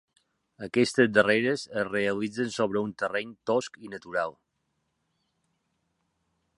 Aquestes darreres es realitzen sobre un terreny tosc i natural.